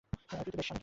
আর, তুই বেশ্যা মাগী!